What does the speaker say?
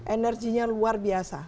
energinya luar biasa